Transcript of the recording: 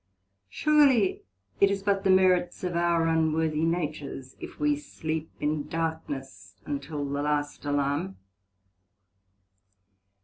Surely it is but the merits of our unworthy Natures, if we sleep in darkness until the last Alarm.